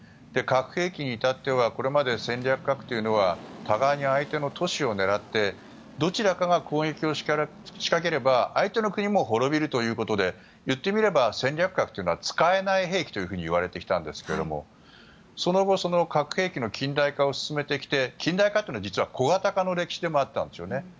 核兵器に至ってはこれまで戦略核というのは互いに相手の都市を狙ってどちらかが攻撃を仕掛ければ相手の国も滅びるということで言ってみれば戦略核というのは使えない兵器といわれてきたんですがその後核兵器の近代化を進めてきて近代化というのは実は小型化の歴史でもあったんですね。